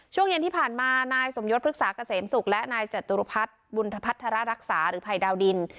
ช่วงเย็นที่ผ่านมานายสมยศพฤกษาเกษมศุกร์และนายจตุรพัฒน์บุญธพัฒระรักษาหรือภัยดาวดิน